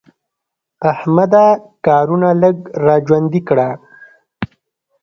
احمده کارونه لږ را ژوندي کړه.